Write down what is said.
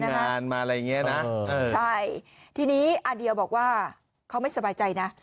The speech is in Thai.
งานมาอะไรอย่างเงี้ยนะใช่ทีนี้อาเดียวบอกว่าเขาไม่สบายใจนะ